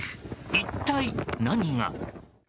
一体何が？